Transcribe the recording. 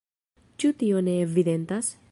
Ĉu tio ne evidentas?